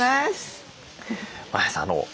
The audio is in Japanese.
前橋さん